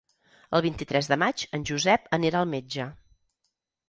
El vint-i-tres de maig en Josep anirà al metge.